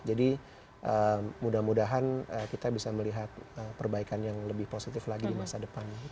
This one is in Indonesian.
jadi mudah mudahan kita bisa melihat perbaikan yang lebih positif lagi di masa depan